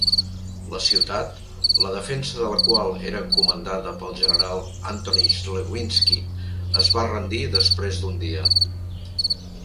La ciutat, la defensa de la qual era comandada pel general Antoni Chlewinski, es va rendir després d'un dia.